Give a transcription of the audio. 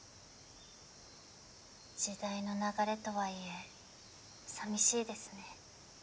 時代の流れとはいえさみしいですね。